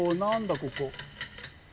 ここ。